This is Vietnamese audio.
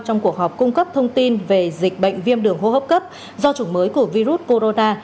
trong cuộc họp cung cấp thông tin về dịch bệnh viêm đường hô hấp cấp do chủng mới của virus corona